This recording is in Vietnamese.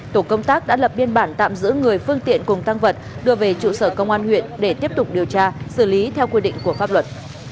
tổ công tác đã lập biên bản tạm giữ người phương tiện cùng tăng vật đưa về trụ sở công an huyện để tiếp tục điều tra xử lý theo quy định của pháp luật